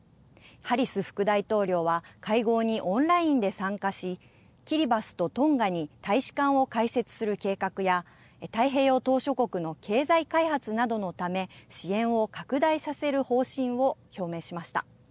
ハリス副大統領は会合にオンラインで参加しキリバスとトンガに大使館を開設する計画や太平洋島しょ国の経済開発などのため支援を拡大させる方針を表明しました。